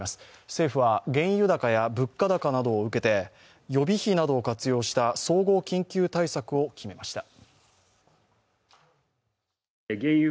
政府は原油高や物価高などを受けて予備費などを活用した総合緊急対策を決めました。